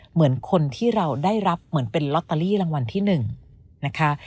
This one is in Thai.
เหมือนคนที่เราได้รับเหมือนเป็นลอตเตอรี่รางวัลที่๑นะคะ